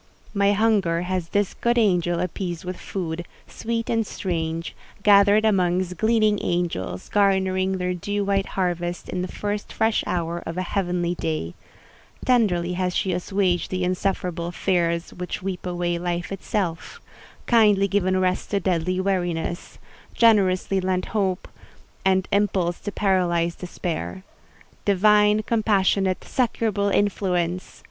My hunger has this good angel appeased with food, sweet and strange, gathered amongst gleaning angels, garnering their dew white harvest in the first fresh hour of a heavenly day; tenderly has she assuaged the insufferable fears which weep away life itself—kindly given rest to deadly weariness—generously lent hope and impulse to paralyzed despair. Divine, compassionate, succourable influence!